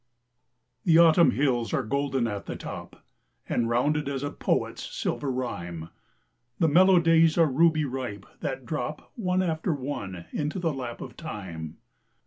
The Autumn hills are golden at the top, And rounded as a poet's silver rhyme; The mellow days are ruby ripe, that drop One after one into the lap of time.